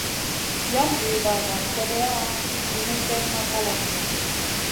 Yam zida van kodeya hini ken ma kalafna.